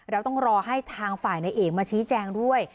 แล้วต้องรอให้ทางฝ่ายนายเอกมาชี้แจงด้วย